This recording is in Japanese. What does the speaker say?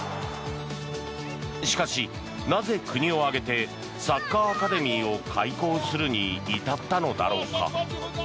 しかし、なぜ国を挙げてサッカーアカデミーを開校するに至ったのだろうか。